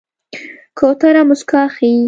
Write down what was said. کوتره موسکا ښيي.